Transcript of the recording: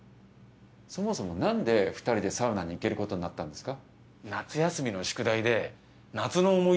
そもそもなんで２人でサウナに行けることになったんですか？